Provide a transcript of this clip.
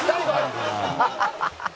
「ハハハハ！